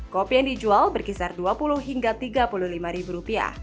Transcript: kopi yang dijual berkisar dua puluh hingga tiga puluh lima ribu rupiah